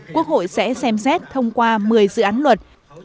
quốc hội sẽ xem xét thông qua một mươi dự án luật